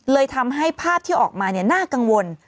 เลยทำให้ภาพที่ออกมาน่ากังวล